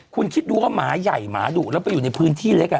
คุณคิดดูว่าหมาใหญ่หมาดุแล้วไปอยู่ในพื้นที่เล็ก